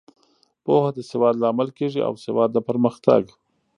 پوهه د سواد لامل کیږي او سواد د پرمختګ.